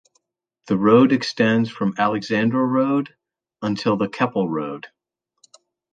The road extends from Alexandra Road until the Keppel Road.